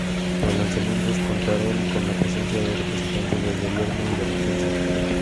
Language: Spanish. Los lanzamientos contaron con la presencia de representantes del gobierno y de la prensa.